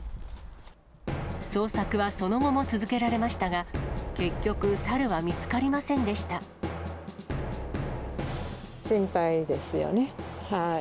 捜索はその後も続けられましたが、結局、サルは見つかりませんでし心配ですよね。